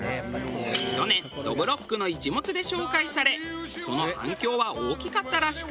去年『どぶろっくの一物』で紹介されその反響は大きかったらしく。